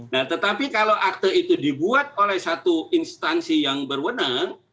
nah tetapi kalau akte itu dibuat oleh satu instansi yang berwenang